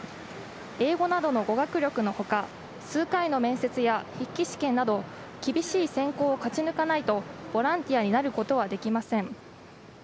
英語などの語学力の他数回の面接や筆記試験など厳しい選考を勝ち抜かないとボランティアになることはできません。